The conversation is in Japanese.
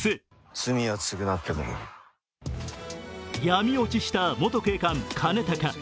闇落ちした元警官・兼高。